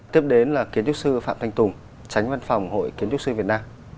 tiếp đến là kiến trúc sư phạm thanh tùng tránh văn phòng hội kiến trúc sư việt nam